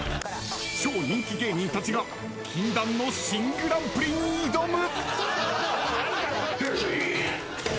超人気芸人たちが禁断の新グランプリに挑む。